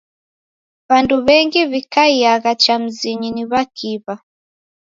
W'andu w'engi w'ikaiagha cha mzinyi ni w'akiw'a.